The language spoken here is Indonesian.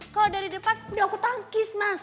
kalau dari depan udah aku tangkis mas